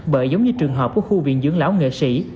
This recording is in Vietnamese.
bởi giống như trường hợp của khu viện dưỡng lão nghệ sĩ